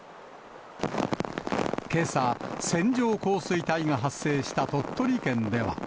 けさ、線状降水帯が発生した鳥取県では。